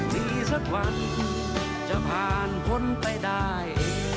มีสักวันจะผ่านพ้นไปได้